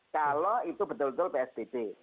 kalau itu betul betul psbb